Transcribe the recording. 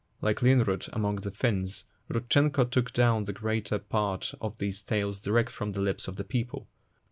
Like Linnrot among the Finn&, Rudchenko took down the greater part of these tales direct from the lips of the people.